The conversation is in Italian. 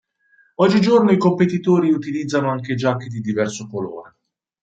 Oggigiorno i competitori utilizzano anche giacche di diverso colore.